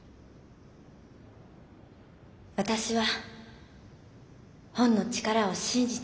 私は本の力を信じています。